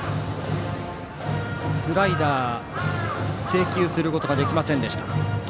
スライダー、制球することができませんでした。